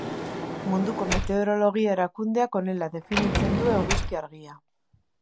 Munduko Meteorologia Erakundeak honela definitzen du eguzki-argia